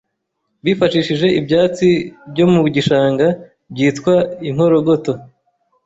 bifashishije ibyatsi byo mu gishanga byitwa Inkorogoto.